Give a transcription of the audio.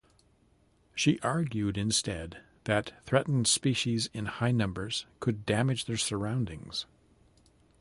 She argued instead that threatened species in high numbers could damage their surroundings.